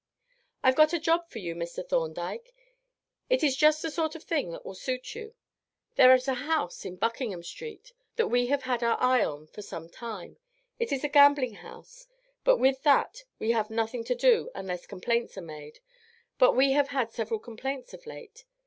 "I've got a job for you, Mr. Thorndyke; it is just the sort of thing that will suit you. There is a house in Buckingham Street that we have had our eye on for some time; it is a gambling house, but with that we have nothing to do unless complaints are made, but we have had several complaints of late.